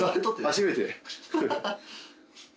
初めて。